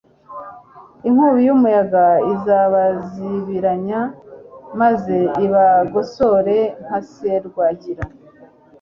inkubi y'umuyaga izabazibiranya maze ibagosore nka serwakira